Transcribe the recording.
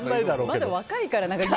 まだ若いから。